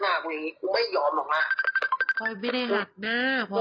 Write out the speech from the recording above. ไม่ได้มาชิงคำพูดไปอย่างงี้พลอยสามวันหน้าคุณกลับไปอีกคุณไม่ยอมหรอกนะ